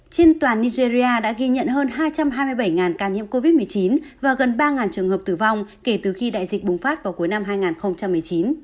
trên toàn nigeria đã ghi nhận hơn hai trăm hai mươi bảy ca nhiễm covid một mươi chín và gần ba trường hợp tử vong kể từ khi đại dịch bùng phát vào cuối năm hai nghìn một mươi chín